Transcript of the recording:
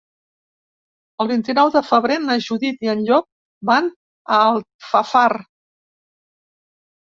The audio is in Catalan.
El vint-i-nou de febrer na Judit i en Llop van a Alfafar.